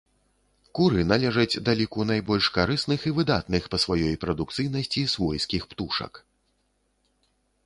Куры належаць да ліку найбольш карысных і выдатных па сваёй прадукцыйнасці свойскіх птушак.